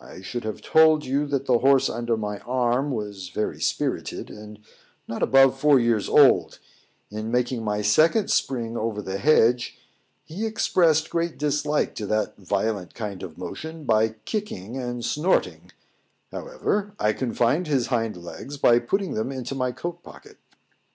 I should have told you that the horse under my arm was very spirited, and not above four years old; in making my second spring over the hedge, he expressed great dislike to that violent kind of motion by kicking and snorting; however, I confined his hind legs by putting them into my coat pocket.